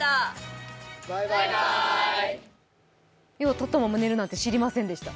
立ったまま寝るなんて知りませんでした。